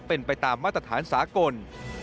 เป็นไปตามมาตรฐานสากล